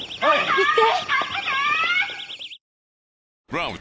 行って！